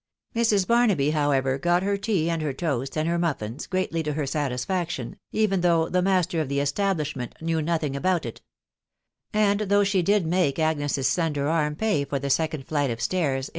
Mrs. Barnaby, however, got her tea, and her toast, and her muffins, greatly to her satisfaction, even though the master o£ the establishment knew nothing about it ; and though she did make Agnes's slender arm pay for the second flight o£ stairs, in.